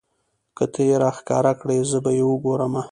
که تۀ یې راښکاره کړې زه به یې وګورمه.